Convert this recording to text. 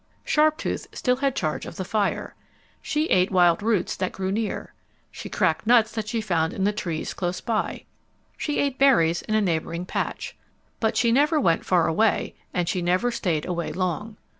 Sharptooth still had charge of the fire. She ate wild roots that grew near. She cracked nuts that she found in the trees close by. She ate berries in a neighboring patch. But she never went far away, and she never stayed away long.